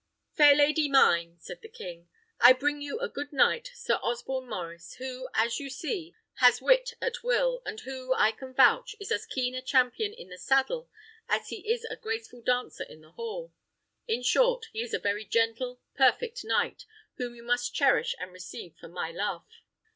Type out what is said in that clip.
"Fair lady mine," said the king, "I bring you a good knight, Sir Osborne Maurice, who, as you see, has wit at will, and who, I can vouch, is as keen a champion in the saddle as he is a graceful dancer in the hall. In short, he is a very gentle perfect knight, whom you must cherish and receive for my love."